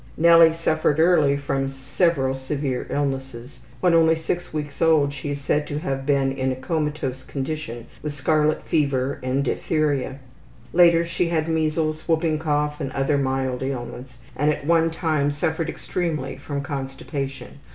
Nellie suffered early from several severe illnesses. When only six weeks old she is said to have been in a comatose condition with scarlet fever and diphtheria. Later she had measles, whooping cough and other mild ailments, and at one time suffered extremely from constipation.